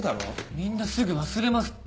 みんなすぐ忘れますって。